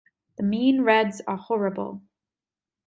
The mean reds are horrible.